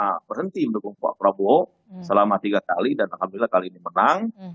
kita berhenti mendukung pak prabowo selama tiga kali dan alhamdulillah kali ini menang